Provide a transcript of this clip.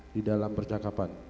di dalam percakapan